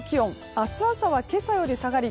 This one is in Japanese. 明日朝は今朝より下がり